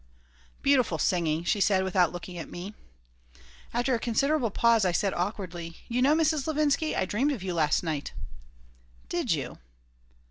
"Beautiful singing!" she said, without looking at me After a considerable pause I said, awkwardly, "You know, Mrs. Levinsky, I dreamed of you last night!" "Did you?"